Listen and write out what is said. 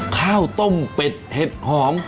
ข้าวต้มเป็ดเห็ดหอม